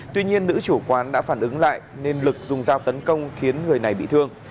tuy nhiên nữ chủ quán đã phản ứng lại nên lực dùng dao tấn công khiến người này bị thương